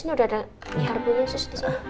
ini udah ada harbunya sus disini